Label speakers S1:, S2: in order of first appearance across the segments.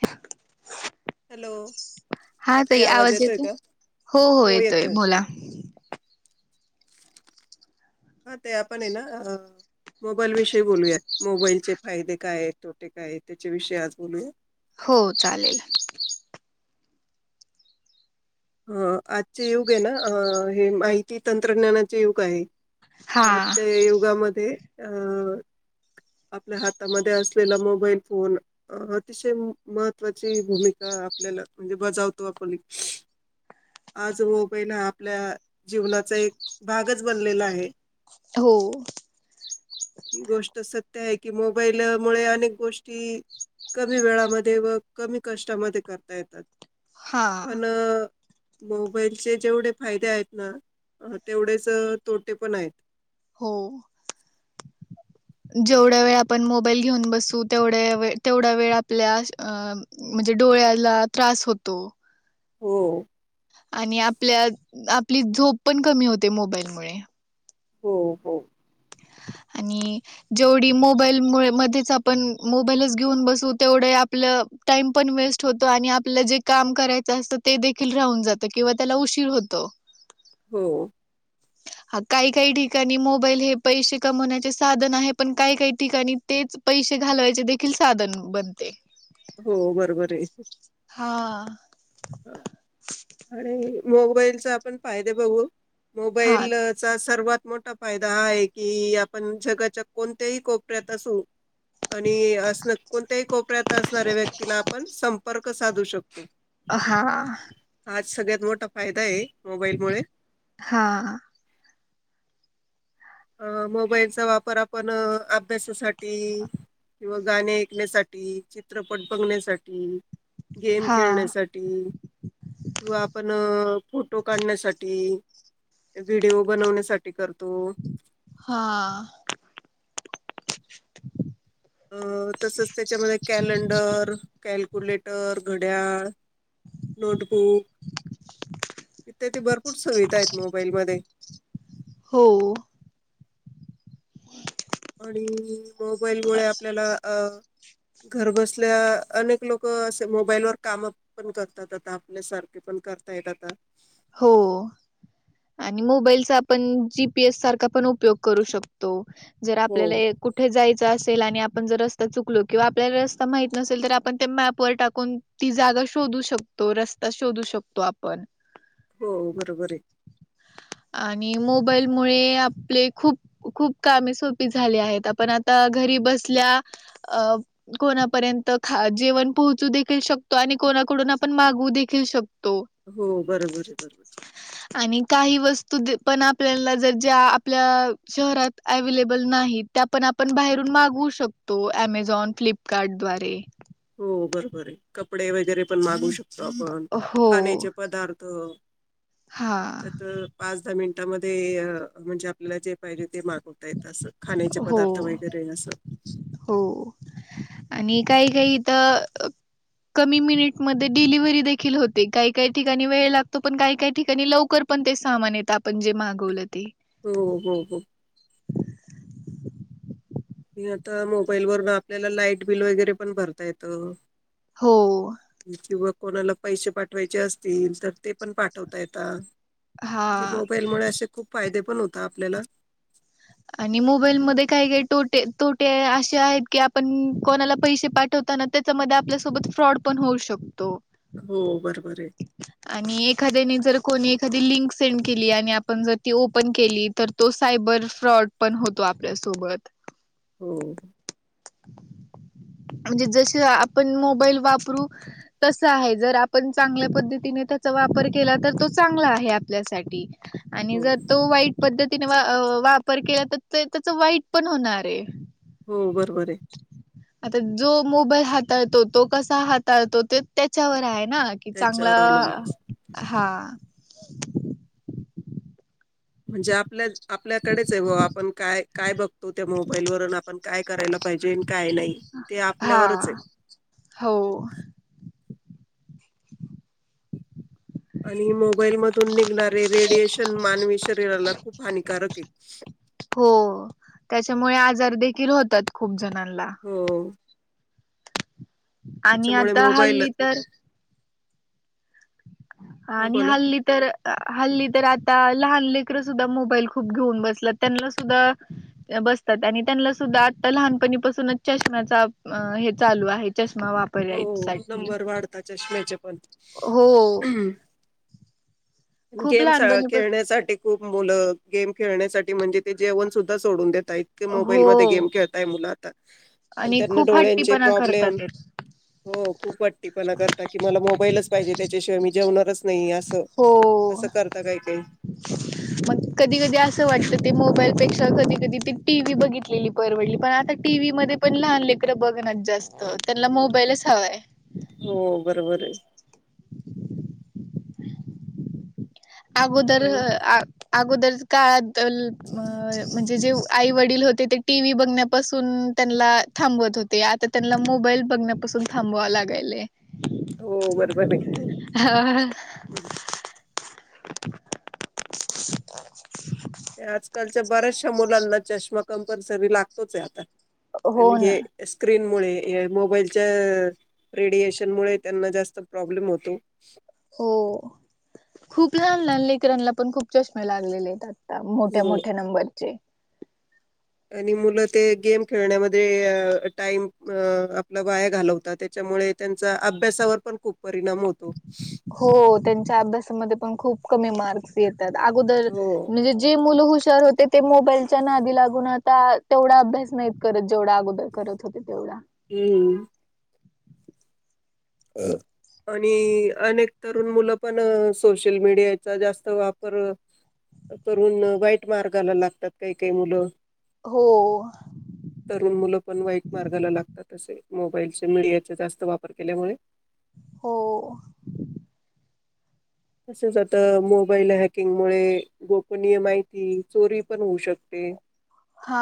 S1: ह
S2: हॅलो आता आवाज येतोय का हो येतोय हा ते आपण आहे ना अ मोबाईल विषयी बोलूया मोबाईलचे फायदे काय आहेत तोटे काय त्याच्या विषयी आज बोलूया
S1: हो चालेल
S2: ह आजचे युग आहे ना हे माहिती तंत्रज्ञानाचे युग आहे
S1: हा
S2: आजच्या युगामध्ये अं आपल्या हातामध्ये असलेला मोबाईल फोन अतिशय महत्वाची भूमिका आपल्याला म्हणजे बजावतो आपण आज र बईण हा आपल्या जीवनाचा एक भागच बनलेला आहे.
S1: हो
S2: ही गोष्ट सत, की मोबाईल मुळे अनेक गोष्टी, कमी वेळामध्ये व कमी कष्टामध्ये करता येतात.
S1: हा
S2: पण, मोबाईलचे जेवढे फायदे आहेत ना तेवढेच तोटे पण आहेत.
S1: हो. जेवढ्या वेळ आपण मोबाईल घेऊन बसू तेवढ्या तेवढ्या वेळ आपल्या म्हणजे, डोळ्याला त्रास होतो.
S2: हो.
S1: आणि आपल्या आपली झोप पण कमी होते. मोबाईल मुळे,
S2: हो हो
S1: आणि जेवढी मोबाईल मुळे मध्येच आपण मोबाईलच घेऊन बसू तेवढं आपलं, टाइम पण वेस्ट होतो आणि आपल्याला जे काम करायचं असतं ते देखील राहून जात किंवा त्याला उशीर होतो. हो.
S2: हो.
S1: हा काही काही ठिकाणी मोबाईल हे पैसे कमवण्याचे साधन आहे पण, काही काही ठिकाणी तेच पैसे घालवायचे देखील साधन बनते.
S2: हो बरोबर आहे.
S1: हा
S2: अ, आणि मोबाईलचा आपण फायदे बघू
S1: हा
S2: मोबाईलचा सर्वात मोठा फायदा आहे की, आपण जगाच्या कोणत्याही कोपऱ्यात असू आणि अस कोणत्याही कोपऱ्यात असणाऱ्या व्यक्तीला आपण संपर्क साधू शकतो.
S1: हा
S2: हाच सगळ्यात मोठा फायदा आहे. मोबाईल मुळे
S1: हा
S2: अं मोबाईलचा वापर आपण अभ्यासासाठी- किंवा गाणे ऐकण्यासाठी चित्रपट बघण्यासाठी गेम
S1: हा
S2: खेळण्यासाठी, किंवा आपण फोटो काढण्यासाठी व्हिडिओ बनवण्यासाठी करतो.
S1: हा.
S2: अ तसंच त्याच्यामध्ये टर घड्याळ, नोटबुक, इथे ते भरपूर सुविधा आहेत मोबाईल मध्ये,
S1: हो,
S2: आणि मोबाईलमुळे आपल्याला अ, घरबसल्या अनेक लोक असे मोबाईलवर काम पण करतात. आता आपल्यासारखे पण, करता येत आता,
S1: हो, आणि मोबाईलचा आपण जीपीएस सारखा पण उपयोग करू शकतो. जर आपल्याला
S2: हो.
S1: कुठे जायचं अस, आणि आपण जर रस्ता चुकलो किंवा आपल्याला रस्ता माहित नसेल तर, आपण त्या मॅपवर टाकून ती जागा शोध शोधू शकतो रस्ता शोधू शकतो, आपण
S2: हो बरोबर आहे.
S1: आणि मोबाईल मुळे आपले खूप खूप कामे सोपी झाले आहेत. आपण आता घरी- घरी बसल्या अं कोणा पर्यंत जेवन पोहचु देखील शकतं आणि कोणाक कडून आपण मागवू देखील शकतो.
S2: हो बरोबर आहे बरोबर!
S1: दिवस तु पण आपल्या जर ज्या आपल्या शहरात अवेलेबल नाही त्या पण आपण, बाहेरून मागवू शकतो अमेझॉन फ्लिपकार्ड दवारे
S2: हो बरोबर आहे कपडे वगैरे पण मागू शकतो आपण
S1: हो.
S2: खाण्याचे पदार्थ
S1: हा
S2: त्यात पाच दहा मिनिटामध्येध्ये आ म्हणजे आपल्याला जे पाहिजे ते माग होतयत असं खाण्याचे
S1: हो
S2: पदार्थ वगैरे असं
S1: हो आणि काही काही तर कमी मिनिट मध्ये डिलिव्हरी देखील होते काही काही ठिकाणी वेळ लागतो पण काही काही ठिकाणी लवकर पण ते सामान येत आपण जे मागवलंय
S2: हो हो हो मी आता मोबाईल वरून आपल्याला लाईट बिल वगैरे पण भरता येतं
S1: हो
S2: किंवा कोणाला पैसे पाठवायचे असतील तर ते पण पाठवता येतात
S1: हा
S2: म्हणजे मोबाईल मुळे असे खूप फायदे पण होतात आपल्याला
S1: आणि मोबाईलमध्ये काही काही तोटे तोटे असे आहेत की आपण कोणाला पैसे पाठवतो त्यान त्याच्यामध्ये आपल्यासोबत फ्रॉड पण होऊ शकतो
S2: हो बरोबर आहे
S1: आणि एखाद्याने जर कोणी एखादी लिंक सेंड केली आणि आपण जर ती ओपन केली तर तो सायबर - फ्रॉड पण होतो आपल्यासोबत
S2: हो
S1: म्हणजे आपण मोबाईल वापरु तस आहे जर आपण चांगल्या पद्ती त्याचा वापर केला तर तो चांगला आहे आपल्यासाठी आणि
S2: हो
S1: जर तो वाईट पद्धतीने वा वार केला तर त्याच वाईट पण होणार आहे
S2: हो बरोबर आहे
S1: आता जो मोबाईल हाताळतो तो कसा हाताळतो ते त्याच्यावर आहे कि
S2: त्याच्यावर अवलंबून
S1: चांगलं हा
S2: म्हणजे आपल्या आपल्याकडेच आहे भा आपण काय काय बघतो त्या मोबाईल वरुन आपण काय करायला पाहिजे काय नाही ते
S1: हा
S2: आपल्यावरच आहे
S1: हो [inaudible]
S2: आणि मोबाईल मधून निघणारे रेडिएशन मानवी शरीराला खूप हानिकारक आहे
S1: हो त्याच्यामुळे आजार देखील होतात खूप जण
S2: हो
S1: आणि
S2: त्याच्यामुळे
S1: आता
S2: मोबाईल
S1: हल्ली तर
S2: हा
S1: आणि
S2: बोला
S1: हल्ली तर हल्ली तर आ लहान लेकर सुधा मोबाईल खूप घेऊन बस त्यांना सुधा बसतात त्यां आता लहानपणी पासूनच चष्म्याचा हे चालू आहे चष्
S2: हो
S1: वापरयसाठी
S2: नंबर वाढता चष्म्याचे पण
S1: हो खूप
S2: गेमस
S1: लहानपणीपासून
S2: खेळण्यासाठी खूप मुलं गेम खेळण्यासाठी म्हणजे ते जेवण सुद्धा सोडून देत इतके मोबाईल म गेम
S1: हो
S2: खेळताय मुल आता
S1: आणि
S2: त्यांना
S1: खूप
S2: डोळ्यांचे
S1: हट्टीपणा करतात
S2: प्रॉब्लेम
S1: ते
S2: हो खूप वाटीपणा करता की मला मोबाईलच पाहिजे त्याच्याशिवाय मी जेवणारच नाही असं
S1: हो
S2: असं करता काही काही
S1: मग कधी कधी अस वाटत ते मोबाईल पेक्षा कधी कधी ती टी व्ही बघितलेली परवडली पण आता टीव्ही मध्ये पण लहान लेकरं बघण जास्त त्यांना मोबाईलच हवाय
S2: हो बरोबर आहे
S1: अगोदर
S2: आता-
S1: अगोदर काळात म्हणजे जे आई वडील होते ते टी व्ही बघण्यापासून त्यांना थांबत होते आता त्यांना मोबाईल बघण्यापासून थांबवावेत लागालय
S2: हो बरोबरय बर्‍याचश्या मुलांना चष्मा कंपल्सरी लागतोचय आता
S1: हो ना.
S2: स्क्रीन मुळे मोबाईलच्या रेडीयशन मुळे त्यांना ज्यास्त प्रॉब्लेम होतो
S1: हो खूप लहान लहान लेकरांना पण खूप चष्मे लागलेले आहेत त्याात मोठ्या मोठ्या नंबरचे
S2: आणि मुलं ते गेम खेळण्यामध्ये टाइम आपला वाया घालवत त्याच्या मुळे त्यां अभ्यासावर पण खूप परिणाम होतो.
S1: हो त्यांच्या अभ्यासामध्ये पण खूप कमी मार्क्स येत अगोदर
S2: हो
S1: म्हणजे जे मुल र होते ते मोबाईलच्या नादी लागून आता तेवढा अभ्यास नाहीत करत जेवढा अगोदर करत होते तेवढा
S2: हम्म ह आणि अनेक तरुण मुलं पण सोशल मीडियाचा जास्त वापर करुून वाईट मार्गाला लागतात काही काही मुलं
S1: हो
S2: तरुण मुलं पण वाईट मार्गाला लागतात असे मोबाईलचे मीडियाचा जास्त वापर केल्यामुळे
S1: हो
S2: तच आता मोबाईल हॅकिंग मुळे गोपनीय माहिती चोरी पण होऊ शकते ते
S1: हा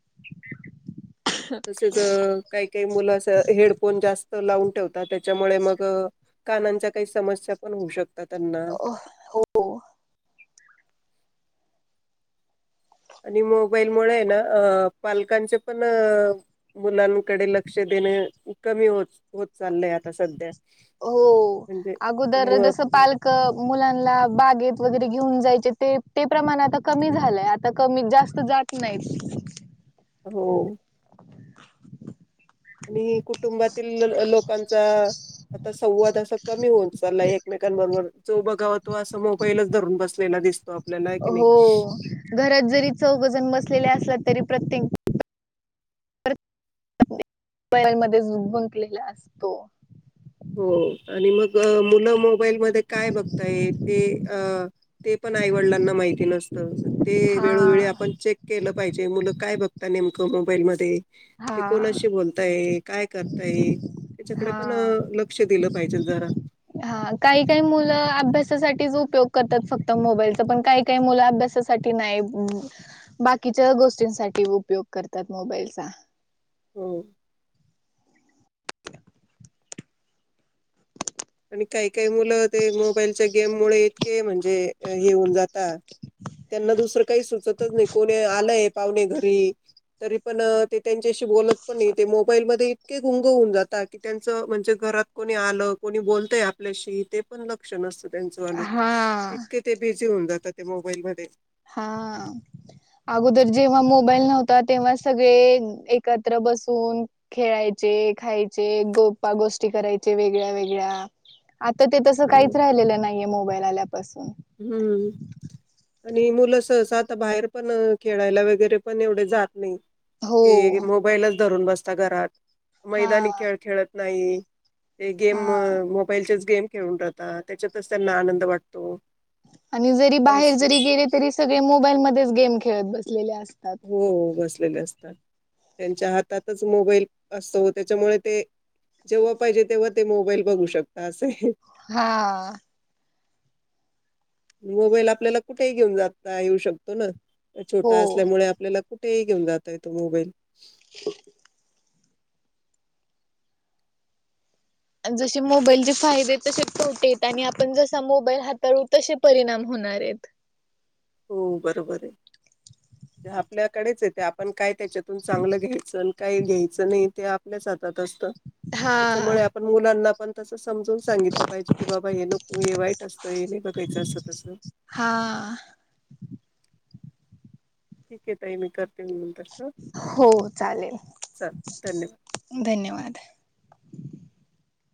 S1: [inaudible]
S2: तसेच काही काही मुलं अस हेडफोन जास्त लावून ठेवत त्याच्यामुळे मग कानांच्या काही समस्या पण होऊ शकत आता त्यांना
S1: हो
S2: आणि मोबाईल मुळे ना पालकांचे पण मुलां डे लक्ष देणे कमी हो होत चाललय आता सध्या
S1: हो
S2: म्हणजे
S1: अगोदर
S2: मग
S1: जस पालक मुलांना बागेत वगैरे घेऊन जायचे ते ते प्रमाण आता कमी झालंय आता कमी जास्त जात नाहीत
S2: हो आणि कुटुंबातील लोकांचा आता संवाद असा कमी होऊन चालाय एकमेकांबरोबर जो बघा तो असं मोबाईलच धरून बसलेला दिसत
S1: हो घरात जरी चौघजण बसलेले असलात तरी प्रत्येक ल मध्ये झु गुंकलेला असतो
S2: हो आणि मग मुलं मोबाईलमध्ये काय बघताय ते पण ण आईवडलांना माहिती नसत ते
S1: हा
S2: वेळोवेळी आपण चेक केलं पाहिजे मु काय बघता नेम मोबाईल मध्ये ते
S1: हा
S2: कोणशी बोलताय काय करताय त्याच्याकडे
S1: हा
S2: पण ल
S1: हा काही काही मुलं अभ्यासासाठीो उपयोग करतात फक्त मोबाईलचा पण काही काही मुलं अभ्यासासाठी नाही बाकीच्या गोष्टी उपयोग करतात मोबाईलचा
S2: होम आणि काही काही मुलं ते मोबाईलच्या गेम मु इतके म्हणजे हेऊन जाता त्यांना दुसरं काही सुचतच नाही कोणी आलंय पाहुणे घरी तरी पण ते त्यांच्याशी बोलत पण ते मोबाईलमध्येध्ये इतके गुंग होन जातात की त्यांच म्हणजे घरात कोणी आलं कोणी बोलतय आपल्याशी ते पण लक्ष नसत त्यांच वालं
S1: हा
S2: इतके ते ब ऊन जातात ते मोबाईल म
S1: हा अगोदर जेव्हा मोबाईल नव्हता तेव्हा सगळे एकत्र ब बसून खेळायचे खायचे गोपा गोष्टी करायचे वेगळ्या वेगळ्या आता ते तसं
S2: हो.
S1: काहीच राहिलेलं नाहीये मोबाईल आल्यापासून
S2: हम्म आणि मुलं सहस आता बाहेर पण खेळायला वगैरे पण एवढे जात नाही
S1: हो
S2: ह मोबाईलच धरून बसता घरात
S1: हा
S2: मैदानी खेळ खेळत नाही ते गेम
S1: हा
S2: मोबाईलचेच गेम खेळून राहतात त्याच्यातच त्यांना आनंद वाटतो
S1: आणि जरी बाहेर
S2: अस
S1: जरी गेले तरी सगळे मोबाईल मच गेम खेळत बसलेले अस
S2: हो हो बसलेले असतात त्यांच्या हातातच मोबाईल असतो त्याच्यामुळे ते जेव्हा पाहिजे तेव्हा ते मोबाईल बघू शकता असंय
S1: हा
S2: मोबाईल आपल्याला कुठेही घेऊन जाता येऊ शकतो ना
S1: हो
S2: छोटा असल्यामुळे आपल्यालाकुठ कुठेही घेऊन जाता येतो मोबाईल
S1: जसे मोबाईलचे फायदे तसे तोटे आणि आपण जसा मोबाईल हाताळू तसे परिणाम हो होणार आहेत
S2: हो बरोबर आहे जे आपल्याकडेच आहे ते आपण काय त्याच्यातून चांगलं घ्यायचं काही घ्यायचं नाही ते आपल्या च हाता असत
S1: हा
S2: त्याच्यामुळे आप मुलांना पण तस समजून सांगितलं पाहिजे की बाबा हे नको हे वाईट असतं हे नाही बघायचं असं तसं
S1: हा
S2: [inaudible] ठीक आहे ताई मी कर
S1: हो चालेल
S2: चालेल धन्यवाद
S1: धन्यवाद.
S2: [unintelligible]